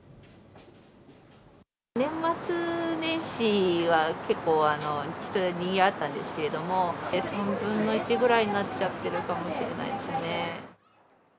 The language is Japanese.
年末年始は結構、人でにぎわったんですけれども、３分の１ぐらいになっちゃってるかもしれないですね。